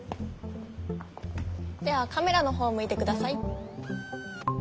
ではカメラの方を向いてください。